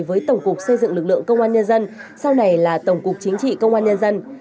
với tổng cục xây dựng lực lượng công an nhân dân sau này là tổng cục chính trị công an nhân dân